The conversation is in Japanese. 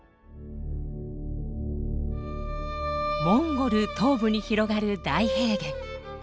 モンゴル東部に広がる大平原。